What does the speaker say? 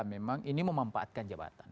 memang ini memanfaatkan jabatan